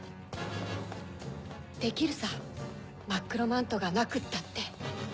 できるさまっくろマントがなくったって